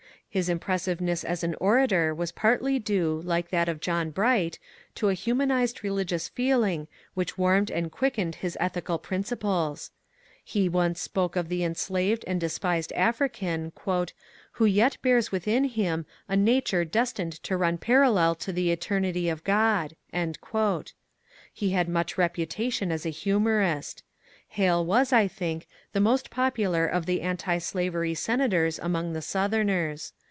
His impressiveness as an orator was partly due, like that of John Bright, to a hu manized religious feeling which warmed and quickened his ethical principles. He once spoke of the enslaved and despised African ^^ who yet bears within him a nature destined to run parallel to the eternity of God." He had much reputation as a humourist. Hale was, I think, the most popular of the anti slavery senators among the Southerners.